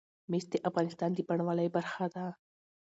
مس د افغانستان د بڼوالۍ برخه ده.